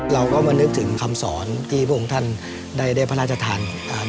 เราก็มานึกถึงคำสอนที่พุ่งท่านได้ได้พระราชทธรรม